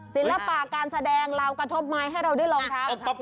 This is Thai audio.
ศิลปาการแสดงราวกระทบไม้ให้เราด้วยลองทำ